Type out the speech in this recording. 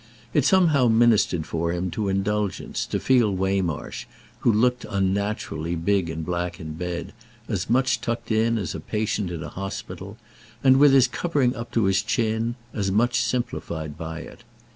It somehow ministered for him to indulgence to feel Waymarsh, who looked unnaturally big and black in bed, as much tucked in as a patient in a hospital and, with his covering up to his chin, as much simplified by it.